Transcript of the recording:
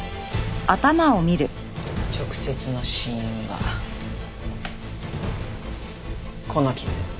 直接の死因はこの傷。